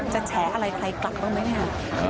แฉอะไรใครกลับบ้างไหมเนี่ย